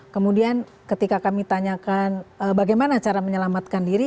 kemudian ketika kami tanyakan bagaimana cara menyelamatkan diri